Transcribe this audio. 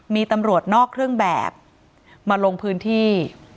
มีตำรวจนอกเครื่องแบบมาลงพื้นที่